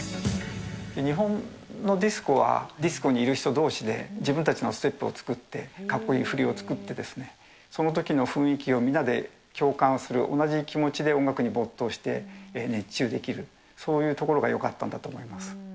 日本のディスコは、ディスコにいる人どうしで、自分たちのステップを作って、かっこいい振りを作ってですね、そのときの雰囲気を皆で共感する、同じ気持ちで音楽に没頭して熱中できる、そういうところがよかったんだと思います。